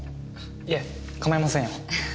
いえ構いませんよ。